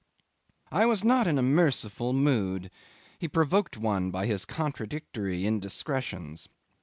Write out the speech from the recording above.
'I was not in a merciful mood. He provoked one by his contradictory indiscretions.